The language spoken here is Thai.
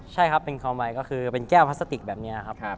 ใช่ครับเป็นของใหม่ก็คือเป็นแก้วพลาสติกแบบนี้ครับ